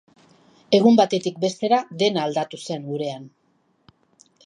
Egun batetik bestera dena aldatu zen gurean.